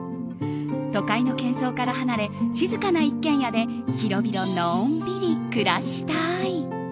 都会の喧騒から離れ静かな一軒家で広々のんびり暮らしたい。